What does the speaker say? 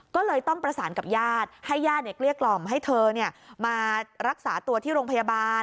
ก็เลยต้องประสานกับญาติให้ญาติเกลี้ยกล่อมให้เธอมารักษาตัวที่โรงพยาบาล